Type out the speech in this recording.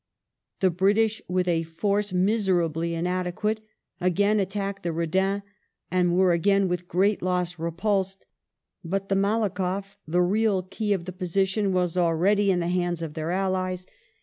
The British, with a force miserably inadequate, again attacked the Redan and were again with great loss repulsed, but the MalakofF — the real key of the position — was already in the hands of their allies.